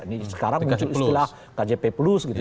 ini sekarang muncul istilah kjp plus gitu ya